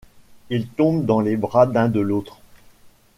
Ils tombent dans les bras l'un de l'autre.